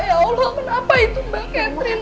ya allah kenapa itu mbak catherine